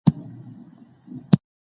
استادان او کدرونه هم علمي څېړني مخي ته وړي.